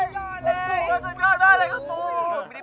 สุดยอดเลยสุดยอดเลยครับปู